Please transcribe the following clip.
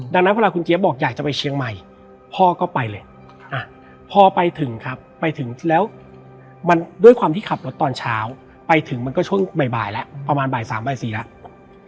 ดังนั้นเวลาคุณเจี๊ยบบอกอยากจะไปเชียงใหม่พ่อก็ไปเลยพอไปถึงครับไปถึงแล้วมันด้วยความที่ขับรถตอนเช้าไปถึงมันก็ช่วงบ่ายแล้วประมาณบ่าย๓บ่าย๔แล้ว